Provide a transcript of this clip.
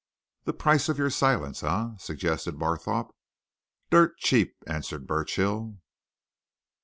"The price of your silence, eh?" suggested Barthorpe. "Dirt cheap!" answered Burchill.